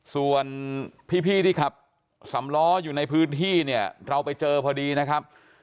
ส่วนพี่ที่ขับสำล้ออยู่ในพื้นที่เนี่ยเราไปเจอพอดีนะครับ